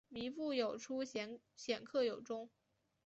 靡不有初鲜克有终